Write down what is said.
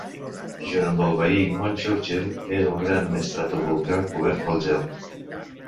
Junt amb el veí Mont Churchill és un gran estratovolcà cobert per gel.